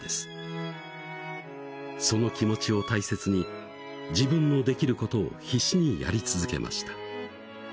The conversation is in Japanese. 「その気持ちを大切に自分の出来る事を必死にやり続けました」